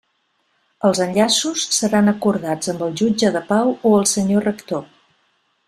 Els enllaços seran acordats amb el jutge de pau o el senyor rector.